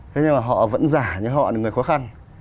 thế nhưng mà họ vẫn giả nhưng họ là người khó khăn